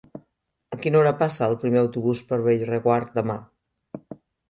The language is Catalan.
A quina hora passa el primer autobús per Bellreguard demà?